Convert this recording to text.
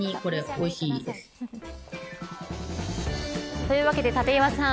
というわけで立岩さん。